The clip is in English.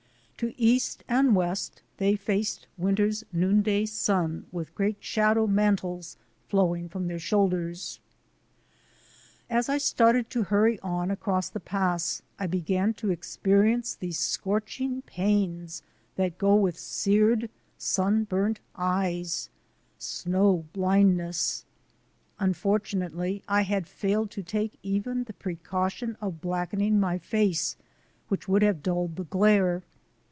To east and west they faced winter's noonday sun with great shadow mantles flowing from their shoulders. As I started to hurry on across the pass I began to experience the scorching pains that go with 4 THE ADVENTURES OF A NATURE GUIDE scared, sunburnt eves — snow blindness. Unfortu nately, I had failed to take even the precaution of blackening my face, which would have dulled the glare.